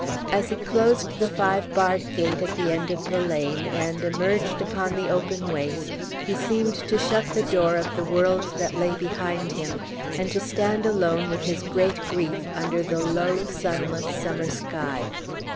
As he closed the five barred gate at the end of the lane, and emerged upon the open waste, he seemed to shut the door of the world that lay behind him, and to stand alone with his great grief under the low, sunless summer sky.